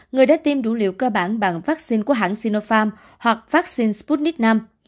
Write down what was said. người đã tiêm đủ liều cơ bản bằng vaccine của hãng sinopharm hoặc vaccine sputnik v